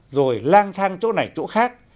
rồi lang thang chỗ này chỗ khác